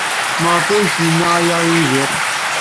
Maɣef ay as-yenna aya i Yidir?